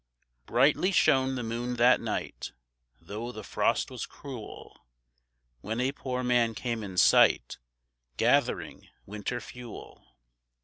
Brightly shone the moon that night Though the frost was cruel, When a poor man came in sight, Gath'ring winter fuel.